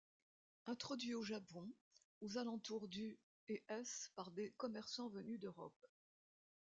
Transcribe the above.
Introduit au Japon aux alentours du et s par des commerçants venus d'Europe.